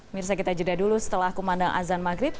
mirsa kita jeda dulu setelah kumandang azan maghrib